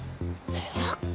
そっか！